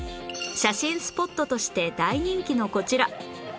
写真スポットとして大人気のこちら